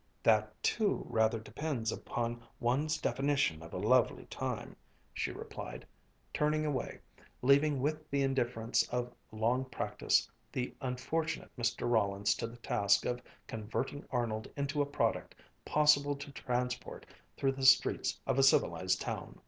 "That too rather depends upon one's definition of a lovely time," she replied, turning away, leaving with the indifference of long practice the unfortunate Mr. Rollins to the task of converting Arnold into a product possible to transport through the streets of a civilized town.